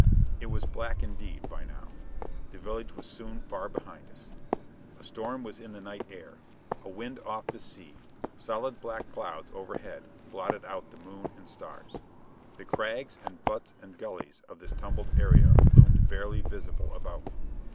It was black indeed, by now. The village was soon far behind us. A storm was in the night air; a wind off the sea; solid black clouds overhead blotted out the moon and stars. The crags and buttes and gullies of this tumbled area loomed barely visible about me.